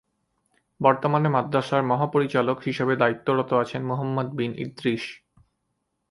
বর্তমানে মাদ্রাসার মহাপরিচালক হিসেবে দায়িত্বরত আছেন মুহাম্মদ বিন ইদ্রিস।